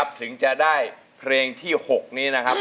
ถึงจะได้เพลงที่๖นี้นะครับ